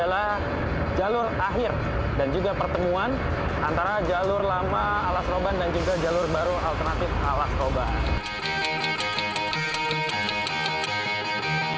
adalah jalur akhir dan juga pertemuan antara jalur lama ala seroban dan juga jalur baru alternatif ala seroban